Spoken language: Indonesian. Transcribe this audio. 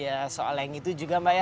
ya soal yang itu juga mbak ya